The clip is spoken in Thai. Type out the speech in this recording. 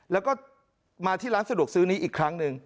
แล้วก็มาที่ร้านสะดวกซื้อนี้อีกครั้งหนึ่ง